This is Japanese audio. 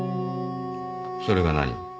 それが何？